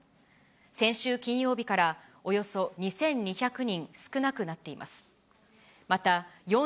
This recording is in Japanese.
先週金曜日からおよそ２２００人少なくなっています。